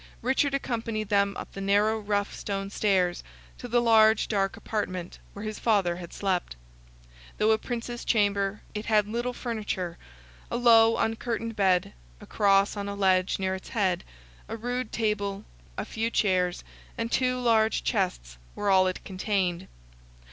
Richard accompanied them up the narrow rough stone stairs, to the large dark apartment, where his father had slept. Though a Prince's chamber, it had little furniture; a low uncurtained bed, a Cross on a ledge near its head, a rude table, a few chairs, and two large chests, were all it contained.